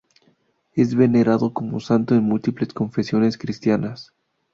Es venerado como santo en múltiples confesiones cristianas.